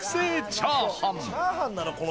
チャーハンなの？